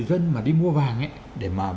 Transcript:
dân mà đi mua vàng để mà